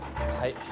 はい。